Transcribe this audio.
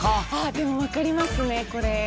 でもわかりますねこれ。